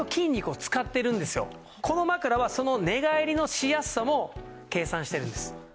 この枕はその寝返りのしやすさも計算してるんです。